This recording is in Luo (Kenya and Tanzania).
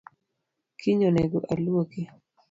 Kiny onego aluoki